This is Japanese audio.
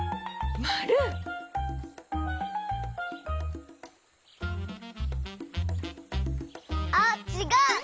まる！あっちがう！